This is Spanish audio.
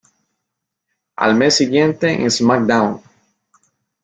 Al mes siguiente en "SmackDown!